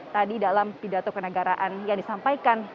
tadi dalam pidato kenegaraan yang disampaikan